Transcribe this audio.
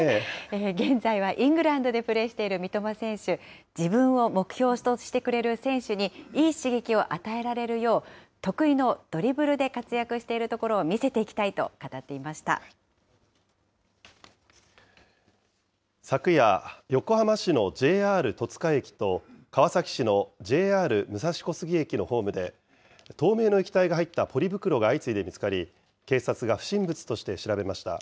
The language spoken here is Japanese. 現在はイングランドでプレーしている三笘選手、自分を目標としてくれる選手に、いい刺激を与えられるよう、得意のドリブルで活躍しているところを見せていきたいと語ってい昨夜、横浜市のＪＲ戸塚駅と川崎市のＪＲ武蔵小杉駅のホームで、透明の液体が入ったポリ袋が相次いで見つかり、警察が不審物として調べました。